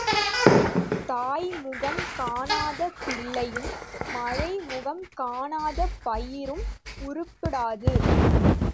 தாய் முகம் காணாத பிள்ளையும், மழை முகம் காணாத பயிரும் உருப்படாது.